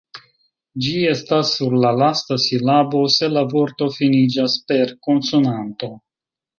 Ĝi estas sur la lasta silabo, se la vorto finiĝas per konsonanto.